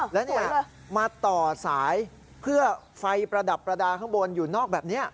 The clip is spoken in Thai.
แล้วเนี่ยมาต่อสายเพื่อไฟประดับประดาษข้างบนอยู่นอกแบบนี้